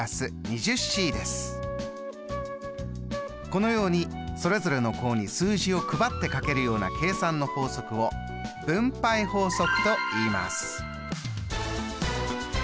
このようにそれぞれの項に数字を配ってかけるような計算の法則を「分配法則」といいます。